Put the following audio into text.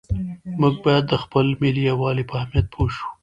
موږ باید د خپل ملي یووالي په اهمیت پوه شو.